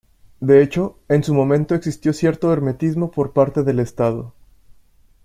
De hecho, en su momento existió cierto hermetismo por parte del Estado.